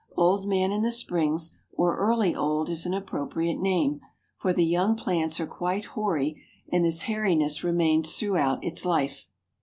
Old man in the springs or early old is an appropriate name, for the young plants are quite hoary and this hairiness remains throughout its life.